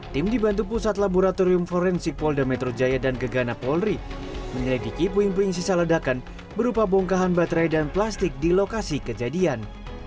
tim dibantu pusat laboratorium forensik polda metro jaya dan gegana polri menyelidiki puing puing sisa ledakan berupa bongkahan baterai dan plastik di lokasi kejadian